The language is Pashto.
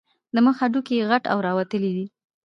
د مخ هډوکي یې غټ او راوتلي دي.